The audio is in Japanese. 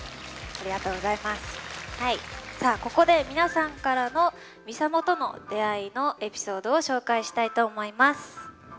ここで、皆さんからのＭＩＳＡＭＯとの出会いのエピソードを紹介したいと思います。